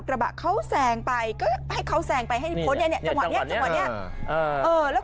กระบะเขาแซงไปก็ให้เขาแซงไปให้พ้นเนี่ยจังหวะนี้จังหวะนี้แล้ว